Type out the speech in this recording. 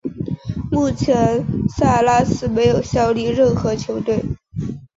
目前萨拉斯没有效力任何球队。